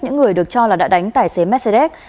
những người được cho là đã đánh tài xế mercedes